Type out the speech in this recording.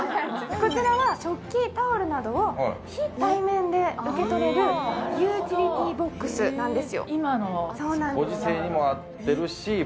こちらは食器・タオルなどを非対面で受け取れるユーティリティーボックスなんです。